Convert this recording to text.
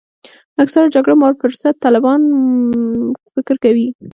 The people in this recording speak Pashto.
اکثره جګړه مار فرصت طلبان فکر کوي.